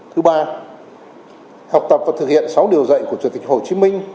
thứ ba học tập và thực hiện sáu điều dạy của chủ tịch hồ chí minh